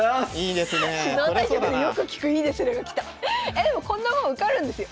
えでもこんなもん受かるんですよ。